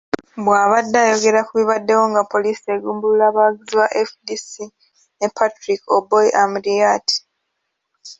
Bw'abadde ayogera ku bibaddewo nga poliisi egumbulula abawagizi ba FDC ne Patrick Oboi Amuriat.